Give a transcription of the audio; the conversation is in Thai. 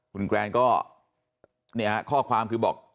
คุณแกล้งก็เนี่ยเค้าความที่บอก